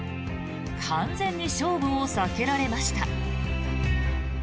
完全に勝負を避けられました。